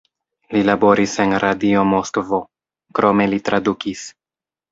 Li laboris en Radio Moskvo, krome li tradukis.